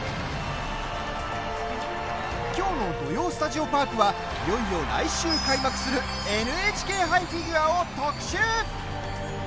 きょうの「土曜スタジオパーク」はいよいよ来週、開幕する「ＮＨＫ杯フィギュア」を特集。